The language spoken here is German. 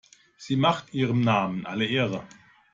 Sie macht ihrem Namen alle Ehre.